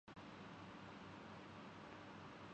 کیا ان کے خلاف فیصلہ نہیں آیا؟